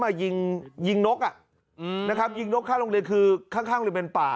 มายิงยิงนกนะครับยิงนกข้างโรงเรียนคือข้างริมเป็นป่า